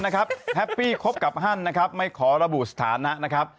แฮปปี้คบกับฮันไม่ขอระบุสถานะ